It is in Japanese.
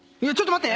待って。